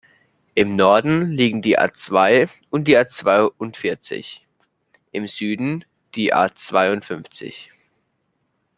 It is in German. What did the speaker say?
Im Norden liegen die A-zwei und die A-zweiundvierzig, im Süden die A-zweiundfünfzig.